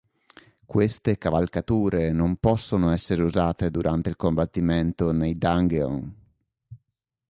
Queste cavalcature non possono essere usate durante il combattimento nei dungeon.